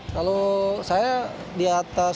kalau saya di atas dua puluh